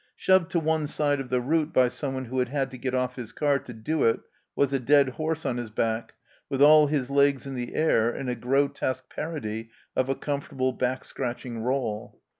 Shoved to one side of the route by someone who had had to get off his car to do it was a dead horse on his back, with all his legs in the air in a grotesque parody of a comfortable back scratching roll.